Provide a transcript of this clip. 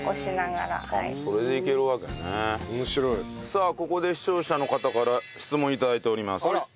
さあここで視聴者の方から質問頂いております。